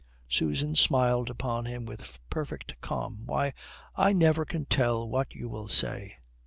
Susan smiled upon him with perfect calm. "Why, I never can tell what you will say.